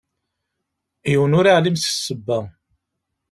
Yiwen ur yeεlim s ssebba.